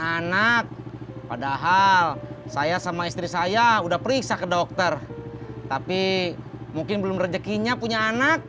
anak padahal saya sama istri saya udah periksa ke dokter tapi mungkin belum rejekinya punya anak